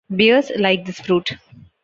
Bears like this fruit.